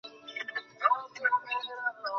আমি তো কোনো নকল মুকুট পরে হেঁটে বেড়াচ্ছিলাম না।